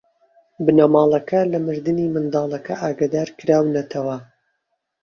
بنەماڵەکە لە مردنی منداڵەکە ئاگادار کراونەتەوە.